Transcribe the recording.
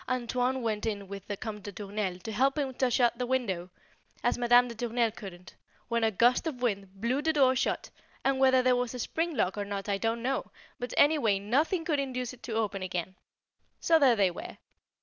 "Antoine" went in with the Comte de Tournelle to help him to shut the window, as Madame de Tournelle couldn't, when a gust of wind blew the door shut, and whether there was a spring lock or not I don't know, but any way nothing would induce it to open again. So there they were.